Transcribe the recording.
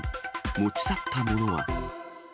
持ち去ったものは？